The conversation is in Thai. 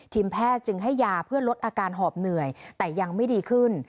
แพทย์จึงให้ยาเพื่อลดอาการหอบเหนื่อยแต่ยังไม่ดีขึ้น